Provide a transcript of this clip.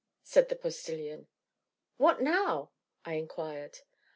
said the Postilion. "What now?" I inquired.